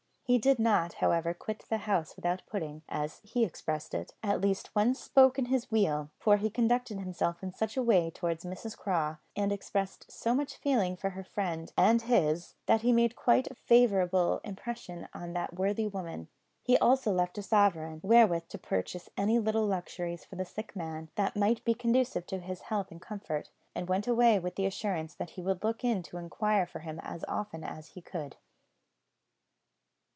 He did not, however, quit the house without putting, as he expressed it, at least one spoke in his wheel; for he conducted himself in such a way towards Mrs Craw, and expressed so much feeling for her friend "and his," that he made quite a favourable impression on that worthy woman. He also left a sovereign, wherewith to purchase any little luxuries for the sick man, that might be conducive to his health and comfort, and went away with the assurance that he would look in to inquire for him as often as he could.